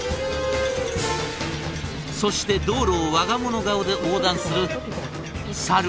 そして道路を我が物顔で横断するサル！